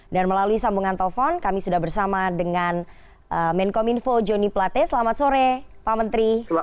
dan melalui sambungan telepon kami sudah bersama dengan menkonminfo jonny plate selamat sore pak menteri